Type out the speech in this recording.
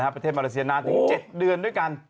ประเทศมาเลเซียนานถึง๗เดือนด้วยกัน